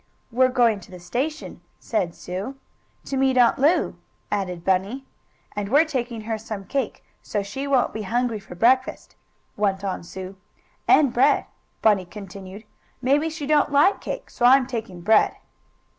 "We're going to the station," said Sue. "To meet Aunt Lu," added Bunny. "And we're taking her some cake so she won't be hungry for breakfast," went on Sue. "And bread," Bunny continued. "Maybe she don't like cake, so I'm taking bread."